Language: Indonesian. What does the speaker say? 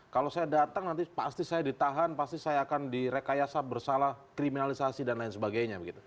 kalau saya datang nanti pasti saya ditahan pasti saya akan direkayasa bersalah kriminalisasi dan lain sebagainya